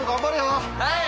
はい！